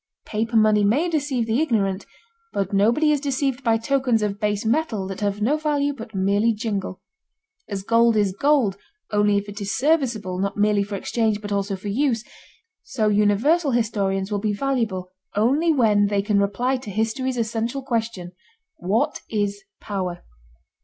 Paper money may deceive the ignorant, but nobody is deceived by tokens of base metal that have no value but merely jingle. As gold is gold only if it is serviceable not merely for exchange but also for use, so universal historians will be valuable only when they can reply to history's essential question: what is power?